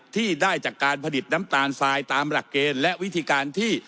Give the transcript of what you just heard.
ที่ได้จากการผลิตน้ำตาลทรายตามหลักเกณฑ์และวิธีการที่